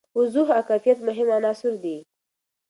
وضوح او کیفیت مهم عناصر دي.